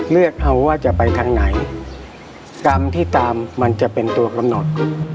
เลือกเอาว่าจะไปทางไหนกรรมที่ตามมันจะเป็นตัวกำหนด